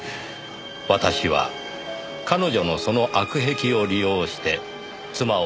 「私は彼女のその悪癖を利用して妻を感電死させました」